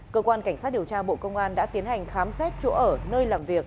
cơ quan cảnh sát điều tra bộ công an đã tiến hành khám xét chỗ ở nơi làm việc